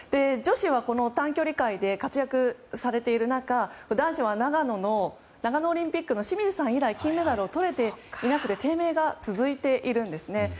女子は短距離界で活躍されている中男子は長野オリンピックの清水さん以来金メダルをとれていなくて低迷が続いているんです。